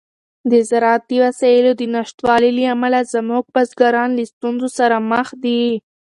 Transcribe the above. د زراعتي وسایلو د نشتوالي له امله زموږ بزګران له ستونزو سره مخ دي.